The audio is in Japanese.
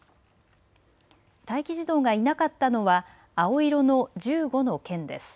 待機児童がいなかったのは青色の１５の県です。